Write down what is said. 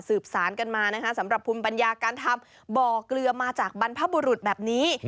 สารกันมานะคะสำหรับภูมิปัญญาการทำบ่อเกลือมาจากบรรพบุรุษแบบนี้